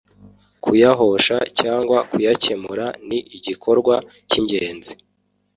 kuyahosha cyangwa kuyakemura ni igikorwa cy’ingenzi